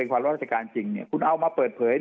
ความรับราชการจริงคุณเอามาเปิดเผย